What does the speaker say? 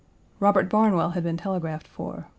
Robert Barnwell had been telegraphed for.